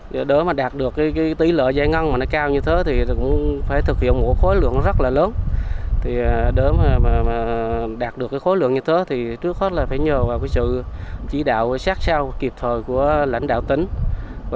để đạt được tỷ lệ giải ngân cao như thế phải thực hiện một khối lượng rất lớn để đạt được khối lượng như thế trước hết phải nhờ sự chỉ đạo sát sao kịp thời của lãnh đạo tính